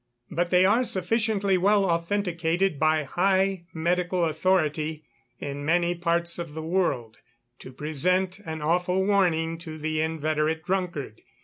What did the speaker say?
But they are sufficiently well authenticated by high medical authority, in many parts of the world, to present an awful warning to the inveterate drunkard.